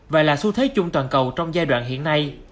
và là xu thế chung toàn cầu trong giai đoạn hiện nay